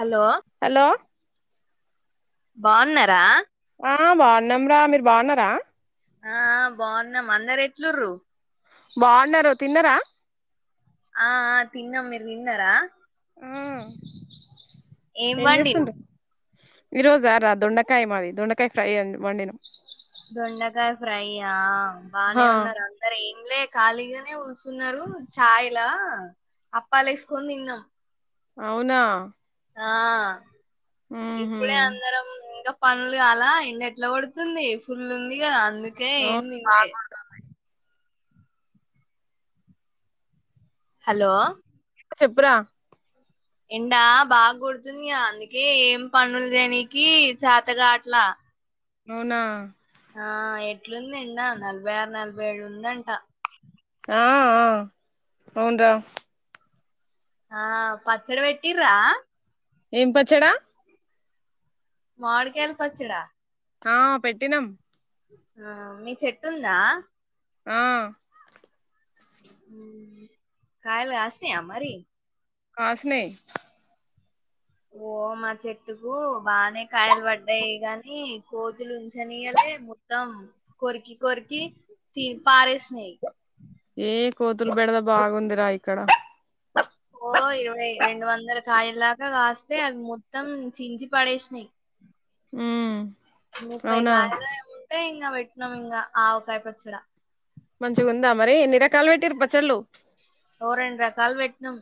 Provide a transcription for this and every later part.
Hello hello బాగున్నారా ఆ బాగున్నాంరా మీరు బాగున్నారా ఆ బాగున్నాం అందరు ఎట్లురు బాగున్నారా తిన్నరా ఆ తిన్నాం మీరు తిన్నారా ఆ ఏం చేస్తుండు ఈ రోజారా దొండకాయ మాది దొండకాయ ఫ్రై వండినా దొండకాయ ఫ్రైయా బానే హా ఉన్నారా అందరం ఏం లే ఖాళీగానే కూసున్నారు చాయ్లా అప్పాలేసుకొని తిన్నాం అవునా ఆ ఉహు ఇప్పుడే అందరం ఇంగ పనులు కాలా ఎండ ఎట్లా కొడుతుంది ఫుల్ ఉంది కదా అందుకే ఏం అవును తిన్లే బాగుందా హలో చెప్పురా ఎండా బాగా గొడుతుందిగా అందుకే ఏం పనులు చేయనికి చేత గాట్లా అవునా ఆ ఎట్లుంది ఎండ నలభై ఆరు నలభై ఏడు ఉందంటా ఆ ఆ అవునురా ఆ పచ్చడి పెట్టిరా ఏం పచ్చడా మామిడికాయల పచ్చడా ఆ పెట్టిన్నం ఆహా మీ చెట్టుందా ఆ కాయలు కాసినియా మారి కాస్నెయ్ ఓ మా చెట్టుకు బానే కాయలు పడ్డాయి గాని కోతులు ఉంచనీయలే మొత్తం కొరికి కొరికి తిన్ని పారేస్నెయ్ ఏ కోతులు బెడదా బాగుందిరా ఇక్కడ ఓ ఇరవై రెండు వందల కాయలదాకా కాస్తే అవి మొత్తం చించి పడేసినయ్ హ్మ్ ముప్పై కాయలో ఏమో ఉంటే ఇంగ పెట్టినం ఇంగా ఆవకాయ పచ్చడా మంచిగుందా మరి ఎన్ని రకాలు పెట్టిరు పచ్చళ్ళు ఓ రెండు రకాలు పెట్టినాం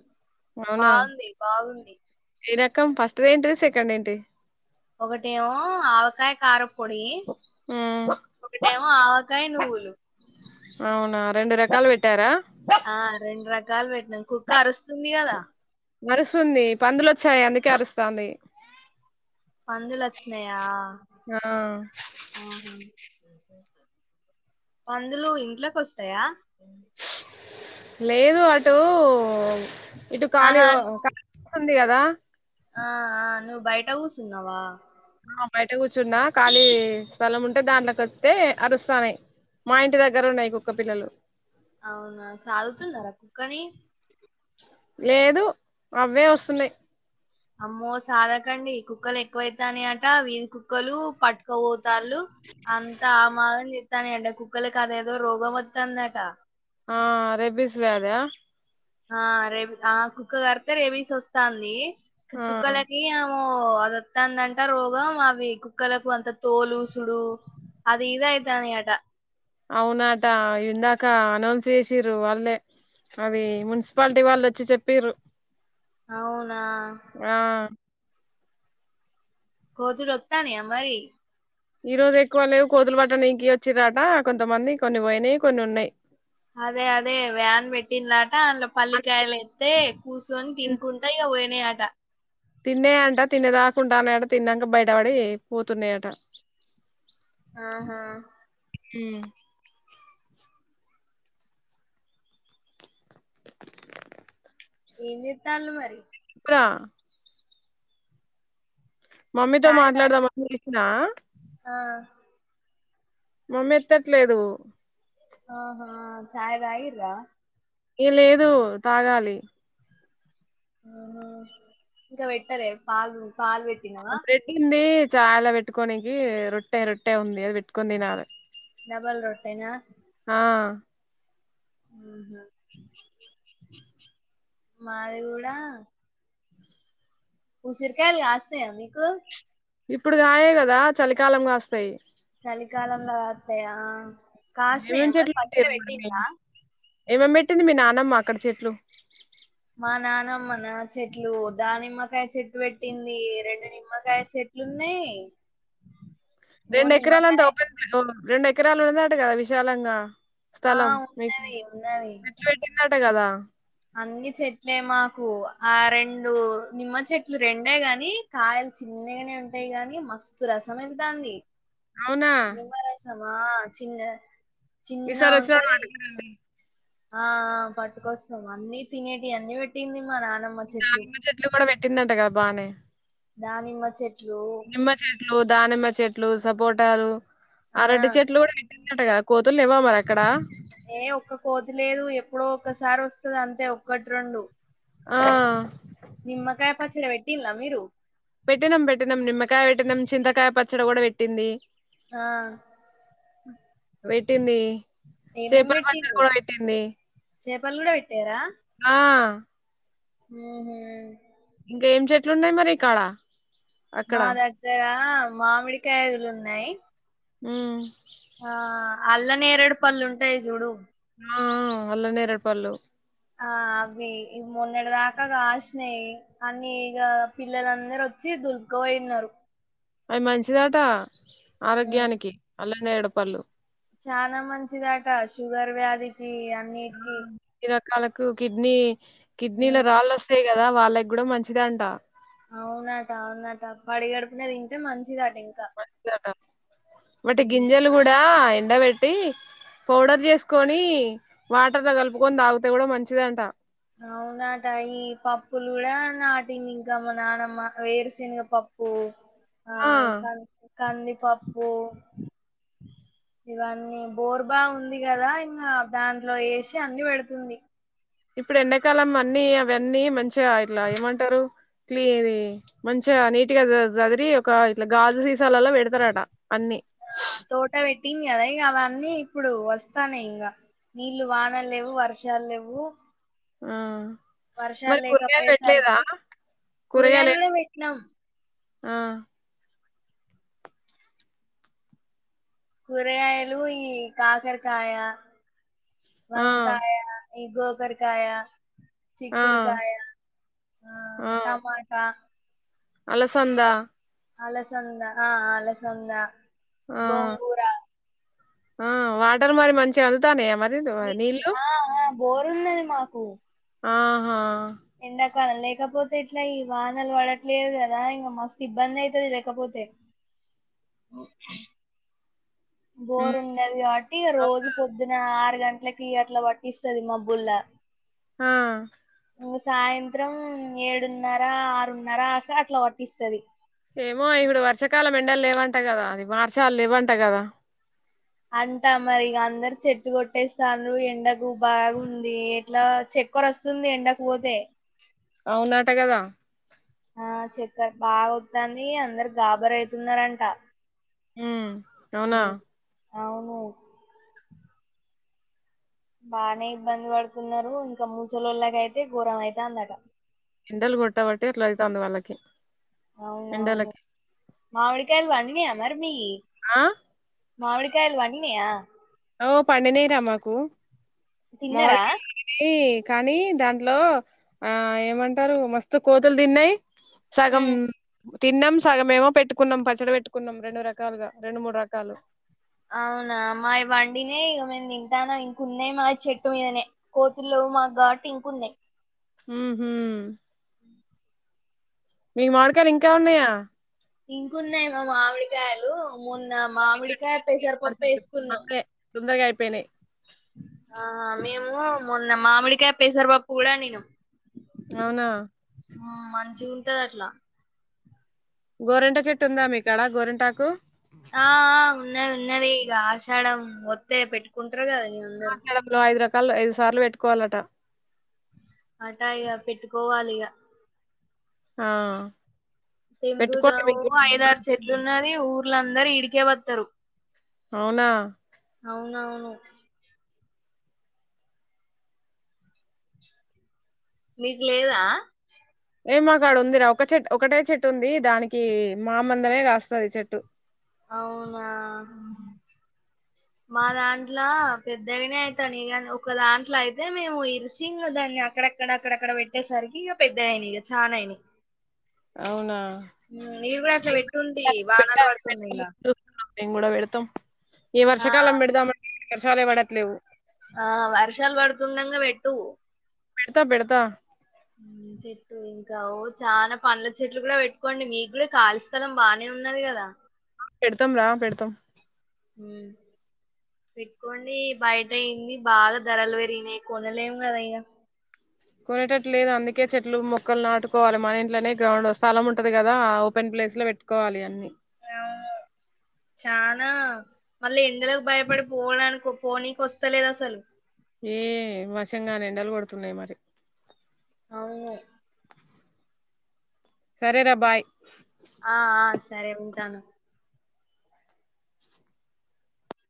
అవునా బాగుంది బాగుంది ఏ రకం ఫస్ట్ ది ఏంటిది సెకండ్ ఏంటి ఒకటేమో ఆవకాయ కారం పొడి మ్మ్ ఒకటేమో ఆవకాయ నువ్వులు అవునా రెండు రకాలు పెట్టారా ఆ రెండు రకాలు పెట్టినాం కుక్క అరుస్తుంది కదా అరుస్తుంది పందులు వచ్చాయి అందుకే అరుస్తాంది పందులొచ్చినయా ఆ ఆహా పందులు ఇంట్లోకొస్తాయా లేదు అటు ఇటు ఖాళీ ఆహా నువ్వు ఖాళీ ప్లేస్ ఉంది కదా ఆ ఆ నువ్వు బయట కూసున్నవా ఆ బయట కూర్చున్నా ఖాళీ స్థలం ఉంటే దాంట్లోకి వత్తే అరుస్తానయ్ మా ఇంటి దగ్గర ఉన్నాయ్ కుక్క పిల్లలు అవునా సాదుతున్నారా కుక్కని లేదు అవ్వే వస్తున్నాయ్ అమ్మో సాధకండి కుక్కలు ఎక్కువ అయితానయ్ అంట వీధి కుక్కలు పట్టుకు పోతాళ్ళు అంత ఆగమాగం చెత్తానయ్ అంట కుక్కలకి అదేదో రోగం వత్తాందట ఆ రెబీస్ వ్యాదా ఆ రేబి ఆ కుక్క కరిత్తె రెబీస్ వస్తాన్ది ఆ కుక్కలకి ఆ ఓ అదత్తందంట రోగం అవి కుక్కలకు అంత తోలుసుడు. అది ఇదైతని అట అవునట ఇందాక అనౌన్స్ చేసిండ్రు వాళ్ళే అది మున్సిపాలిటీ వాళ్ళు వచ్చి చెప్పిరు అవునా అ కోతులు వత్తునయ మరీ ఈ రోజు ఎక్కువ లేవు కోతులు పట్ట నికి వచ్చిన్ రట కొంతమంది కొన్ని పోయినాయి కొన్ని ఉన్నాయి అదే అదే వ్యాన్ పెట్టినరట అందులో పల్లికాయలు ఎత్తే కూస్సోని తినుకున్ లైన్ గా పోయినై అట తిన్నాయి అంట తినేదాకా ఉంటానయట తిన్నాక బయటపడి పోతున్నాయట ఆహా మ్ ఎం చేత్తాలను మరీ రా మమ్మీతో చాయ్ తాగి మాట్లాడదాం అని పిలిసిన ఆ మమ్మ ఎత్తట్లేదు ఆహా ఛాయ్ దాగిన్రా ఏ లేదు తాగాలి ఇంకా పెట్టలే పాలు పాలు పెట్టినవా మిగిలిందే చాయ్ లో పెట్టుకోనికి రొట్టె రొట్టె ఉంది అది పెట్టుకొని తినాలా డబల్ రొట్టే నా ఆ ఉహా మాది గూడ ఉసిర కాయలు కాస్తున్నాయా మీకు ఇప్పుడు కాయవు కదా చలికాలం కాస్తాయి చలికాలంలో కాత్తయా కాసినయ మరి పచ్చడి పెట్టిన్రా ఏమేం ఎమేం పెట్టింది మీ నానమ్మ అక్కడ చెట్లు మా నానమ్మ నా చెట్లు దానిమ్మకాయ చెట్టు పెట్టింది రెండు నిమ్మకాయ చెట్ లున్నాయ్ రెండు ఎకరలుంతా ఓపెన్ రెండు ఎకరాలు ఉండదాట కదా విశాలంగా ఆ స్థలం మీకు ఉన్నది ఉన్నది ఎత్తి పెట్టిందట కదా అన్ని చెట్లే మాకు ఆ రెండు నిమ్మ చెట్లు రెండే గాని కాయలు చిన్నగానే ఉంటాయి గాని మస్తు రసం అయితాంది అవునా నిమ్మరసామా చిన్న చిన్నగా ఈసారి వచ్చినప్పుడు ఉంటది పట్టుకురండి ఆ ఆ పట్టుకోస్తాం అన్నీ తినేటివి అన్ని పెట్టింది మా నానమ్ దానిమ్మ చెట్లు కూడా పెట్టిందంట కదా బానే దానిమ్మ చెట్లు నిమ్మ చెట్లు దానిమ్మ చెట్లు సపోటాలు ఆ అరటి చెట్లు కూడా పె పెట్టిందట కదా కోతులు లెవా మరి అక్కడ ఏ ఒక్క కోతి లేదు ఎప్పుడో ఒక్కసారి వస్తది అంతే ఒకట్రోండు ఆ నిమ్మ కాయ పచ్చడ పెట్టిలా మీరు పెట్టినం పెట్టినం నిమ్మకాయ పెట్టినాం చింతకాయ పచ్చడి కూడా పెట్టింది ఆ పెట్టింది ఏమేం చేపల పచ్చడి పెట్టిల్లు కూడా పెట్టింది చేపలు కూడా పెట్టారా ఆ ఉహు ఇంకా ఏం చెట్లు ఉన్నాయి మరిఇకాడ మా దగ్గర మామిడికాయలు ఉన్నాయి ఊ ఆ అల్ల నేరేడుపళ్ళుంటయి జూడు ఆ ఆ అల్లానేరేడపళ్ళు ఆ అవ్వి మొన్నెడిదాకా కాశీనయ్ అన్నీ ఇగ పిల్లలందరోచ్చి దులుప్కపోయినరు అవి మంచిదట ఆరోగ్యానికి అల్లనేరేడుపల్లు చాలా మంచిదట షూగర్ వ్యాధికి అన్నిటికి న్ని రకాలకు కిడ్నీ కిడ్నీల ఉమ్ రాళ్ళు వస్తాయి కదా వాళ్ళకి కూడా మంచిద అంట అవునట అవునట పడి గడుపున తింటే మంచిది అట ఇం దట వటి గింజలు కూడా ఎండ పెట్ ట్టి పౌడర్ చేసుకొని వాటర్లో కలుపుకొని తాగితే కూడా మంచిదంట నాటా ఈ పప్పులు కూడా నాటింది ఇంక మా నానమ్మ వేరు శనగ పప్పు ఆ క కందిపప్పు ఇవన్నీ బోర్బా ఉంది కదా ఇంగ దాంట్లో వేసి అన్ని పెడుతుంది ఇప్పుడు ఎండాకాలం అన్ని అవన్నీ మంచిగా ఇట్లా ఏమంటరు క్లీ ఆది మంచిగా నీటుగా జ జదిరి ఒక ఇట్లా గాజు సీసాలలో పెడతారట అన్ని ఆ తోట పెట్టింగ్ కదా ఇగా అవన్నీ ఇప్పుడు వస్తానే ఇంగ నీళ్లు వానలు లేవు వర్షాలు లేవు ఉ మరి వర్షాలు కూరగయలు పెట్లేదా లేకపోయేసరికి కూరగాయలు ఏ కూడా పెట్టినాం ఆ కూరగాయలు ఈ కాకరకాయ ఆ వంకాయ ఈ గోకరకాయ ఆ చిక్కుడుకాయ టమాటా అలసందా అలసంద ఆ అలసంద ఆ గోంగూర ఆ వాటర్ మరి మంచిగా అందుతానాయ మరి నీళ్లు బోరుంనది మాకు ఆ హా ఎండాకాలం లేకపోతే ఇట్ల ఈ వానలు పడట్లేదు కదా ఇగా మస్తు ఇబ్బంది అయితది లేకపోతే హ్మ్ బోరు ఉన్నది గాబట్టి రోజు అవునా పొద్దున ఆరు గంటలకి అట్లా పట్టిస్తది మబ్బుల్లా ఆ ఇంగా సాయంత్రం ఏడున్నర ఆరున్నర అట్లా అట్లా వర్తిస్తాది. ఏమో ఇప్పుడు వర్షకాలం ఎండలు లేవంట కదా అది వర్షలు లేవంట కదా. అంటా మరి ఇగా అందరు చెట్టు కొట్టేస్తాండ్రు ఎండకు బాగుంది ఎట్లా చె కొరస్తుంది ఎండకు పోతే అవునాట కదా ఆ చక్కర్ బాగా వొత్తంది అందరు గాబర్ అయితున్నారంటా. ఉ ఉ అవును బానే ఇబ్బంది పడుతున్నారు ఇంకా మూసలోల్లకి అయితే ఘోరం అయితందటా. ఎండలు కొట్టబట్టే అట్లా అయితంది వాళ్ళకి అవునవును ఎండలకి. మామిడికాయలు పండినాయా మరి మీ ఆ మామిడి కాయలు పండినియా ఓ పండినాయిరా మాకు తిన్నరా మామిడికాయలు పి కానీ దాంట్లో ఆ ఏమంటారు మస్తు కోతులు తిన్నాయ్. సగమ్ ఉమ్ తిన్నాం సగమెమో పెట్టుకున్నాం పచ్చడి పెట్టుకున్నాం రెండు రకాలుగా రెండు మూడు రకాలు. అవునా మై బండినే ఇక తింటాము ఇంకున్నాయి మా చెట్టు మీదనే. కోతులు లేవ్ మాకు కాబట్టి ఇంకున్నాయ్ ఉహు మీ మమాడికాయలు ఇంకా ఉన్నాయా ఇంకున్నాయ్ మా మామిడికాయలు మొన్న మీ చెట్టు మామిడికాయ్ పెసరపప్పు మంచిదే, ఏసుకున్నాం. మండే తొందరగా అయిపోయినాయ్ ఆ మేము మొన్న మామిడికాయ్ పెసర పప్పు కూడా వండినం. అవునా ఉ మంచిగా ఉంటాది అట్లా గోరెంటా చెట్టుంద మీకు ఆడ గోరెంటాకు ఆ ఉన్న ఉన్నది ఇగా ఆషాడం వత్తే పెట్టుకుంటరు గదా. ఆషాడంలో ఐదు రకాలు ఐదు సార్లు వపెట్టుకోవలటా. అట ఇగ పెట్టుకోవాలి ఇగ ఆ పెట్టుకోండి దింబుదవ్ మీకు అయిదారు కూడా. చెట్లున్న ది ఊర్లో అందరు ఇడికే వత్తరు అవునా అవునవును మీక్లేదా ఏ మాకు ఆడ ఉందిరా ఒక చెట్ట్ ఒకటే చెట్టుంది, దానికి మామందమే కాస్తది చెట్టు. అవునా మా దాంట్లో పెద్దగనే అయితంది ఇక ఒక దాంట్లో అయితే మేము ఇరిసి దాన్ని అక్కడ అక్కడక్కడ అక్కడ పెట్టేసరికి ఇగ పెద్దగయినయ్ ఇగ చానా అయినయ్. అవునా మీరు కూడా అట్లా పెట్టుండి [unintelligible] వానలు పడుతుండగా మేము గూడ పెడతాం ఈ ఆ వర్షాకాలం బెడదామంటే వర్షాలే పడట్లేవు ఆ వర్షాలు బడుతుండంగా పెట్టు పెడత బెడతా ఉమ్ పెట్టు ఇంకా ఓ చాన పండ్ల చెట్లు కూడా వెట్టుకోండి మీకు కూడా కాళీ స్థలం బాగ్నే ఉన్నది గదా పెడతాంరా పెడతం మ్ పెట్టుకోండీ బయట ఇన్ని బాగ ధరలు పెరిగినయ్ కొనలేము గద ఇగ కొనేటట్టులేదు అందుకే చెట్లు మొక్కలు నాటుకోవలే మన ఇంట్లోనే గ్రౌండ్ స్థలం ఉంటది కదా ఆ ఓపెన్ ప్లేస్ల వెట్ కోవాలి అన్ని అవును చానా మళ్ళీ ఎండలకు భయపడి పోడానికి పోనీకస్తలేదసలు మ్ ఏ వశంగాని ఎండలు గొడుతున్నాయ్ మరి అవును సరేరా బాయ్ ఆ ఆ సరే ఉంటాను